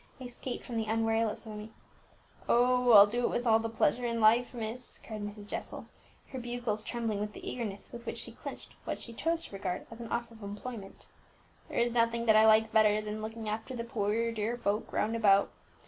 escaped from the unwary lips of Emmie. "Oh! I'll do it with all the pleasure in life, miss!" cried Mrs. Jessel, her bugles trembling with the eagerness with which she clinched what she chose to regard as an offer of employment. "There is nothing that I like better than looking after the poor dear folk round about.